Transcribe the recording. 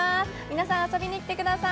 皆さん、遊びに来てください。